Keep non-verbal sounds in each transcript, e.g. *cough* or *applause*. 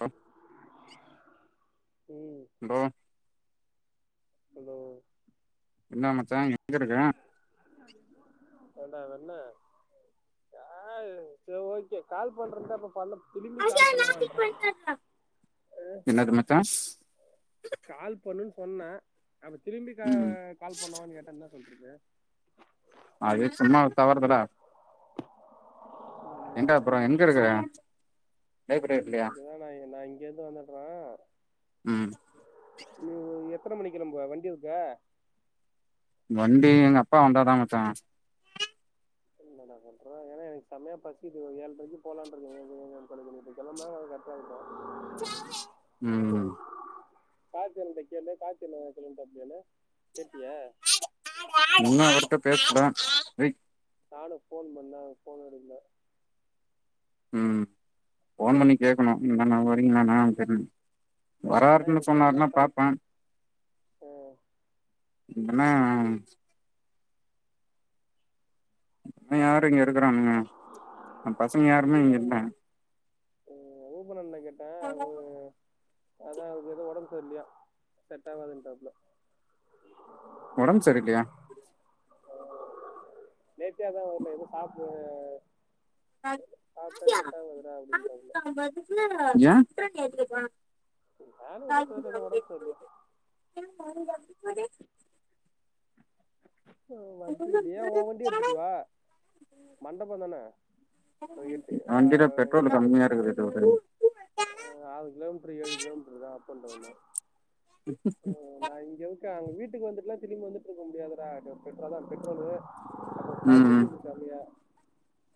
அ ம் ம் ஹலோ என்ன மச்சா எங்கயிருக்க ஏண்டா வென்ன யாரு சரி ஓகே கால் பண்றதனா இப்ப பண்ணு என்னது மச்சா கால் பண்ணுன்னு சொன்ன அப்ப திரும்பி நா ம் கால் பண்ணவான்னு கேட்ட என்ன சொல்றது அது சும்மா தவர்தலா என்ட அப்புறோ எங்க இருக்க லைப்ரரியில்லையா இங்கதா நா நா இங்க இருந்து வந்துறே ம் நீ எத்தன மணிக்கி கிளம்புவ வண்டி இருக்கா வண்டி எங்க அப்பா வந்தாதா மச்சா நா சொல்றே ஏன்னா எனக்கு செமையா பசிகிது ஒரு ஏழுரைக்கு போலான்னு இருந்தே *unintelligible* சொல்லிட்டு களம்புனா கரெக்டா இருக்கு ம் கார்த்தி அண்ணாகிட்ட கேளு கார்த்தி அண்ணா கிளம்பிட்டா அப்டியானு கேட்டியா இன்னு அவர்கிட்ட பேசல வை நானு ஃபோன் பண்ணே போன் எடுக்கல ம் போன் பண்ணி கேட்கணு என்ன அண்ணா வறிங்களா அண்ணான்னு கேக்கனு ஏன்னா வராருன்னு எனக்கு செமையா சொன்னார்னா பசி பாப்பே ஆ என்னன்னா இன்னு யாரு இங்க இருக்கிறானுங்க நம்ம பசங்க யாருமே இங்க இல்ல ஓ ருபன் அண்ணன கேட்ட ஒரு அதா அவருக்கு ஏதோ உடம் செரியில்லையா செட் ஆகதுன்டாப்டுல உடம்பு செரி இல்லையா நேத்தே அதா வரல எதுவு சாப்ப சாப்பிட்டா செட்டா வருற அப்டின்னு டப்புள்ள யா நானு எதோ தெர்ல எதோ ஒடம்பு சரியில்லையா ம *unintelligible* ஆ வண்டி இல்லையா ஏ ஒ வண்டி எடுத்துட்டு வா மண்டபம் தான எட்டு ஆ யா யாரு இருக்கு டோடலு ஆறு கிலோமீட்டர் ஏழு கிலோமீட்டர் தா அப் அண்ட் டவுனு நா இங்க இருக்க அங்க வீட்டுக்கு வந்துட்டுலா திரும்பி வந்துட்டு இருக்க முடியாததுடா பெட்ரோ தா பெட்ரோலு ஆ ம் பசிகிது செமையா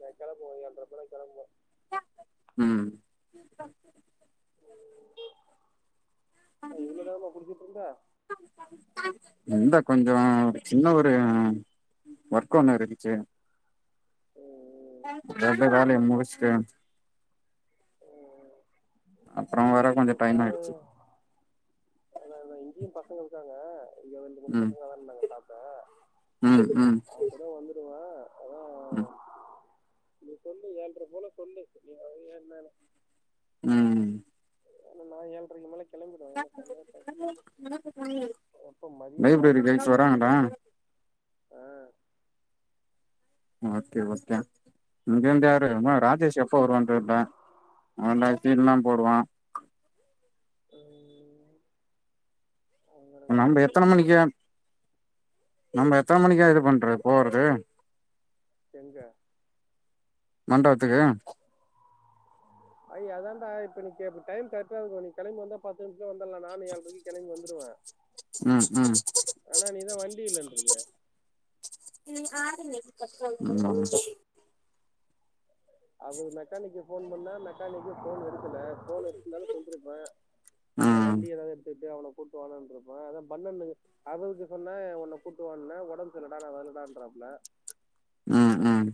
என் கிளம்புவ எட்டர போல கிளம்புவ ம் நா இவ்ளோ நேரமா குடிச்சிட்டு இருந்த சரி சரி எந்த கொஞ்ச சின்ன ஒரு ஒர்க் ஒண்ணு இருந்ச்சி ம் ம் கரெக்டா வேலைய முடிச்ட்டு அப்புறோ வர கொஞ்சோ டைம் கோபால் ஆயிடுச்சு ஆனா இங்கியு பசங்க இருக்காங்க இங்க ரெண்டு மூணு ம் பசங்க தான இருந்தாங்க சாப்ட ம் அவங் கூட வந்துருவ அதா ஆ நீ சொல்லு எல்ர போல சொல்லு நீ அவ என்னால ம் ஏனா நான் ஏழ்ரைக்கு மேல கெளம்பிடுவே எனக் செம்மையாருக்காது லைப்ரரி கைய்ச் வராங்களா சாப்பிட்டது ஆ ஓகே ஓகே இங்க இருந்து யாரு இவ ம், ராஜேஷ் எப்போ வருவா தெர்தா உ லைப் சீன்லா போடுவா ம் அங்கதான் நம்ப எத்தன மணிக்கு பைத்தியக்காரன். நம்ப எத்தன மணிக்கா இது பண்றத் போறது எங்க மண்டவத்துக்கு அது அதான்டா இப்ப நீக் இப்ப டைம் கரெட்டா இருக்கு நீ கெளம்பி வந்தா பத்து நிமிஷத்ல வந்தர்லா நானு ஏ பைக் கெளம்பி வந்துருவே ம் ம் ஆனா நீதா வண்டி இல்லன்றியே ம் அது மெக்கானிக்கு ஃபோன் பண்ணா மெக் கானிக்கு ஃபோன் எடுக்கல ஃபோன் எடுத்துந்தாலு சொல்ருப்பே இல்ல வண்டி எதாவது எடுத்துட்டு அவன கூப்ட்டு வாங்கன்ருப்பே அதா பண்ணனனுயே அருனுக்கு சொன்னே உன்ன கூட்டுவான்னே ஒடம்பு செர்ல்லடா நா வர்லடான்றாப்புல ம் ம்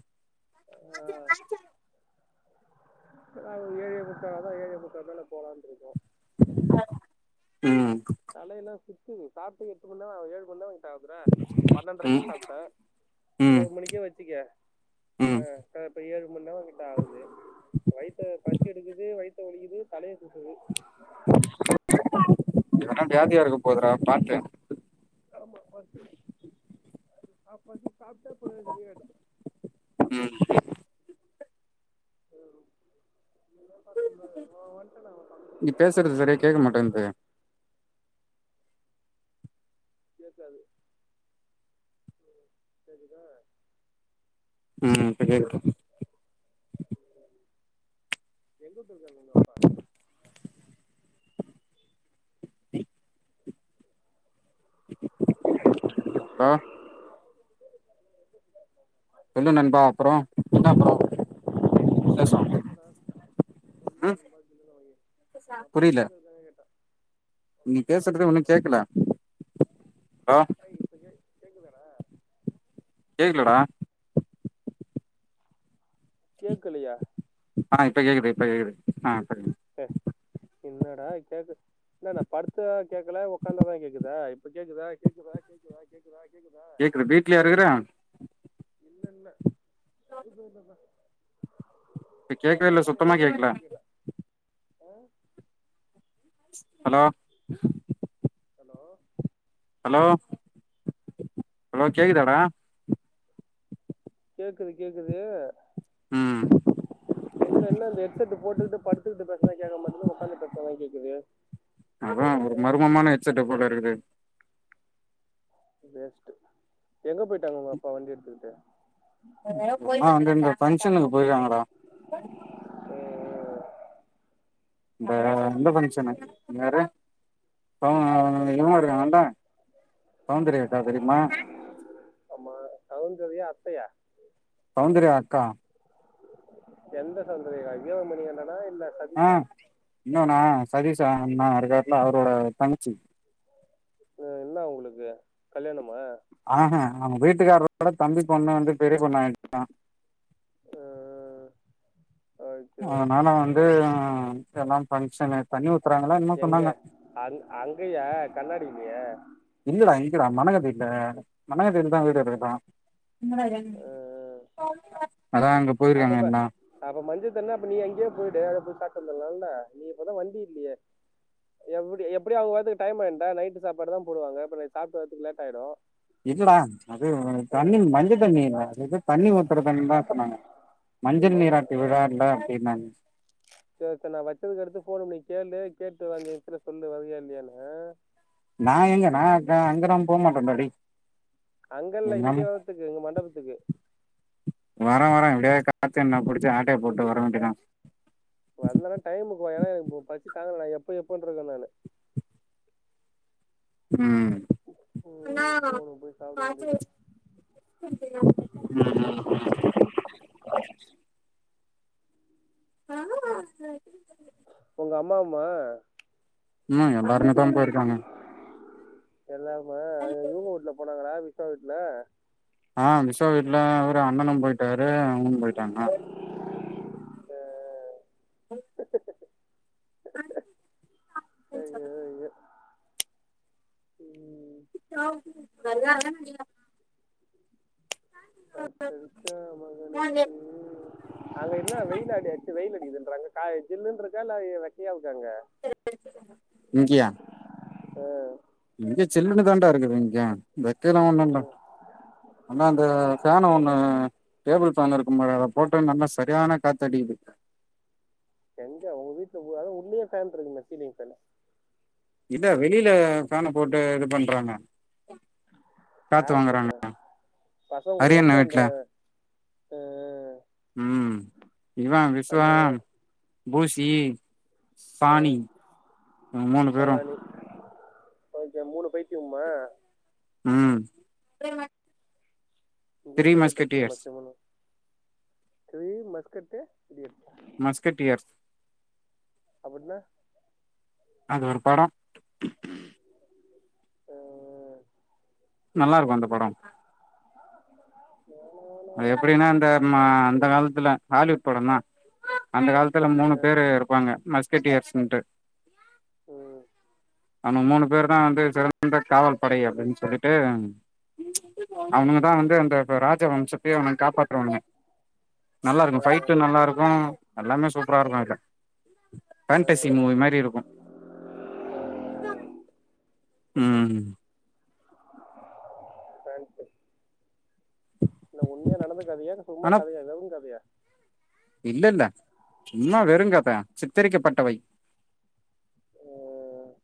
அதா ஏழே முக்கா அதா ஏழே முக்கா மேல போலான்ருக்க ம் தலையெல்லா சுத்துது சாப்ட்டு எட்டு மண் நேரோ ஆவுது ஏழு மண் தா சாப்புற பண்ணன்ட்ரைக்கு ம் சாப்ட்ட ம் ஒரு ம் மணிக்கே வச்சிக்க ஆ ம் ச இப்ப ஏழு மண் நேரோ கிட்ட ஆவுது வயத்த பசி எடுக்குது வய்த்த வலிக்குது தலய சுத்துது எதுனா வியாதியா இருக்க போதுறா பாத்து ஆமா பசி அ பசி சாப்ட்டா போகுதேன்ட்டு ம் எ தப்பில்ல நீ பேசுறது சரியா கேட்க *inaudible* மாட்டேன்து கேக்காது ம் கேக்குதா ம் இப்ப கேக்து எங்க போய்ருக்காரு உங்க அப்பா வேற சொல்லு நண்பா அப்ரோ என்ன அப்ரோ என்னடா *unintelligible* உங்க அப்பா எங்க போய்ருக்காருனு கேட்டா நீங்க அப்பா பேசுறதே அப்பா ஒன்னு ம- கேக்கல ஆ ஏய் இப்ப கே- கேக்குதாடா கேக்கலடா கேக்கலயா ஆ இப்ப கேக்குது இப்ப கேக்குது ஆ இப்ப ஏ இல்லடா கேக்கு இல்ல நா படுத்தா கேட்கல உட்காந்தா தா கேக்குதா இப்ப கேக்குதா கேக்குதா கேக்குதா கேக்குதா கேக்குதா கேக்குது வீட்லயா இருக்குற இல்ல இல்ல *unintelligible* தா இப்ப கேக்கவே இல்ல சுத்தமா கேக்கல போயிட்டாங்கன்னு கேட்டேன் ஹலோ ஹலோ ஹலோ ஹலோ கேக்குதாடா கேக்குது கேக்குது ம் இல்ல இந்த ஹெட்செட் போட்டுகிட்டு படுத்துகிட்டு பேசுனா கேக்க மாட்டுது உக்காந்து பேசனாதா கேக்குது அதா ஒரு மர்மமான ஹெட்செட்ட போல இருக்குது வேஸ்ட்டு எங்க போயிட்டாங்க உங்க அப்பா வண்டி எடுத்துக்கிட்டு ஆ அங்க இங்க ஃபங்க்ஷனுக்கு போய்கிறாங்கடா இந்த இந்த ஃபங்க்ஷனு யாரு அவுங்க இவுங்க இருக்காங்கன்டா சௌந்தரிய அக்கா தெரியுமா ஆமா சௌந்தரியா அத்தையா சௌந்தர்யா அக்கா எந்த சௌந்தரியா ஏ மணிகண்டனா இல்ல ஆ இன்னொணா சதீசு அண்ணா இருக்காருல்ல அவரோட தங்கச்சி இப்போ இன்னா அவுங்களுக்கு கல்யாணமா ஆஹா அவுங்க வீட்டுக்காரோட தம்பி பொண்ணு வந்து பெரிய பொண்ணு ஆயிடுச்சா ஆ ஓகே ஓகே அதனால வந்து எதனா பங்க்ஷனு தண்ணி ஊத்துறாங்களா என்னமோ எங்க சொன்னாங்க அங் அங்கயா கண்ணாடிலயா இல்லடா இங்கடா மனகத்த வீட்ல மன்னகத் ப்பதா வீட்டுக்கே போயிருப்பா ஆ அதா அங்க போயிருக்காங்க அப்பப்ப எல்லா அப்ப மஞ்சத்தன்னே அப்ப நீ அங்கேயே போய்டு அங்க போய் சாப்டு வந்துலால்ல நீ இப்பதா வண்டி இல்லயே எப்டி எப்டியோ அவுங்க வரத்துக்கு டைம் ஆயுண்டா நைட்டு சாப்பாடு தா போடுவாங்க அப்ப நைட் சாப்ட்டு வர்றதுக்கு லேட் ஆயிடு இல்லடா அது ம் தண்ணி மஞ்ச தண்ணி அது எது தண்ணி ஊத்துற தண்ணின்தா சொன்னாங்க மஞ்சள் சும்மா நீராட்டு ஆ விழா இல்ல அப்டின்னாங்க சேரி இப்ப நா வச்சதுக்கு அடுத்து ஃபோன் பண்ணி கேளு கேட்டு ஒரு அஞ்சு நிமிஷத்துல சொல்லு வரியா இல்லயானு ஆ நா எங்க நா க அங்கதா போ மாட்டே டா அங்க இல்ல இங்க வர்ரத்துக்கு இங்க மண்டபத்துக்கு வரே வரே இப்டியே கார்த்தி அண்ணாவ புடிச்சு ஆட்டைய போட்டு வர வேண்டியதா வந்தனா டைமுக்கு வா ஏன்னா எனக்கு பசி தாங்கல நா எப்போ எப்போன்ருக்கே நானு ம் அண்ணா ம் போணு போய் சாப்ட பாத்து வேண்டியதா வச் ம் ம் ம் கனமா இருக்கு ஒ அம்மாவுமா ம்மா எல்லாருமே தா போயிருக்காங்க எல்லாருமா அந்த இவுங்க வீட்ல போனாங்களா விஸ்வா வீட்ல ஆ விஷ்வா வீட்ல அவரு அண்ணனு போயிட்டாரு அவுங்ளு போயிட்டாங்க *unintelligible* *unintelligible* ஐய்யோ ஐய்யோ ம் *unintelligible* காத்தடிச்சா மகனுக்கு *unintelligible* அங்க என்னா வெயிலா அடச் வெயில் அடிகுதுன்றாங்க காயி ஜில்லுன்ருக்கா இல்ல ஆய வெக்கையா இருக்கா அங்க இங்கியா ம் இங்க சில்லன்னு தாண்டா இருக்கு வெங்கியோ வெக்கல்லா ஆ. ஒன்னு இல்ல ஆனா அந்த ஃபேனு ஒண்ணு டேபிள் ஃபேன் இருக்கும்பாரு அத போட்டா நல்ல சரியான காத்தடிக்குது எங்க உங்க வீட்ல உ அதா உள்ளியே ஃபேன்ருக்குமே சீலிங் ஃபேனு இல்ல வெளியில ஃபேன போட்டு இது பண்றாங்க காத்து யார் வாங்குறாங்க சொல்றேன் பசங்க கூடிய அரியண்ண இருக்க அந்த வீட்ல ஆ, ம் இவன் அந்த விஸ்வாம் பூஸ்சி சாணி நாங்க மூணு பேரு சாணி ஓகே மூணு பைத்திம்முமா ம் இங்க த்ரீ இருக்கதே மஸ்கட்டியர்ஸ் பைத்தியமாச்சே மூணு இது மஸ்கட்டு எப்டி இருக்கு மஸ்கட் இயர்ஸ் அப்புன்னா அது ஒரு படோ அ அ அ நல்லா இருக்கு‌ அந்த படோ *unintelligible* அது எப்டின்னா அந்த அந்த காலத்துல ஹாலிவுட் படோதா அந்த காலத்துல மூணு ஆ, ஆ, பேரு இருப் பாங்க மஸ்கட் இயர்ஸ்ட்டு ம் அவன மூணு பேருதா வந்து சிறந்த காவல் படை அப்டின்னு சொல்லிட்டு அவுனுங்கதா வந்து அந்த ராஜா வம்சத்தையே அவுனுங்க காப்பாத்துறவங்க நல்லா ஆ இருக்கு ஃபைட் நல்லா இருக்கு எல்லாமே சூப்பரா இருக்கு அதுல ஆ பேண்டசி மூவி மாரி இருக்கு ம் பேண்டசி இல்ல உண்மைய நடந்த கதையா இல்ல சும்மா ஆனா கதையா வெறு கதையா இல்ல இல்ல சும்மா வெறு கத சித்தரிக்கப்பட்டவை ம்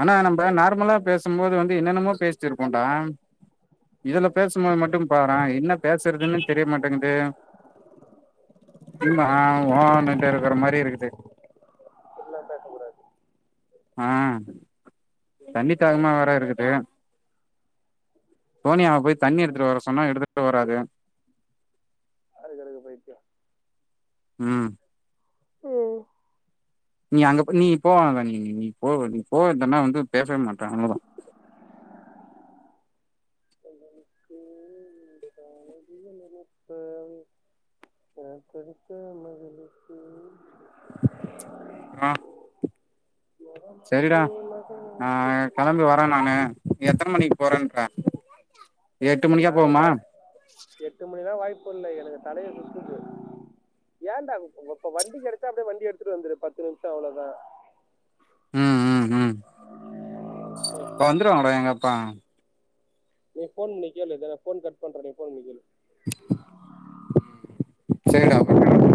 ஆனா நம்ப ஃபிக்ஷன் ஆ நார்மலா பேசும்போது வந்து என்னென்னமோ பேசிட்டு இருப்போன்டா இதுல ம் பேசும்போது மட்டு பாறே என்ன பேசுறதுன்னு தெரியமாட்டேங்குது சும்மா அ ஓ இன்னுட்டு இருக்கிற மாரி இருக்குது இப்படில்லா பேச கூடாது ஆ தண்ணித்தாகமா ம் வேற இருக்குது சோனியாவ போய் தண்ணி எடுத்துட்டு வர சொன்னா எடுத்துட்டு வராது அதுக்கு கடக்கு பைத்தியோ ம் ம் நீ அங்க நீ போவா நீ நீ போ நீ போன்னா இல்ல வந்து பேசவே மாட்டே அவ்ளவுதா அவளுக்கு ப்பவி காத்தடிச்ச மகளுக்கு அப்பறோ சரிடா நீ மகள் நா கெளம்பி வரே நானு எத்தன மணிக்கு போறேன்றே நா எட்டு மணிதா வாய்ப்பு இல்ல எனக்கு தலைய சுத்துது ஏன்டாப்ப வண்டி கெடச்சா அப்படியே வண்டி எடுத்துட்டு வந்துரு பத்து நிமிஷோ அவ்வளவுதா ம் ம் ம் இப்ப வந்துருவாங்கட எங்க அப்பா நீ போன் பன்னி கேளு போன் கட்ண்ற நீ போன்பன்னி கேளு சரிடா